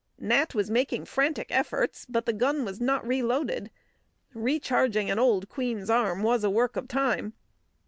Nat was making frantic efforts, but the gun was not reloaded. Recharging an old "Queen's arm" was a work of time.